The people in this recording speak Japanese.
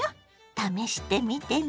試してみてね。